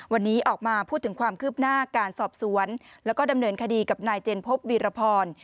วันนี้ออกมาพูดถึงความคืบหน้าการสอบสวนแล้วก็ดำเนินคดีกับนายเจนพบวีรพร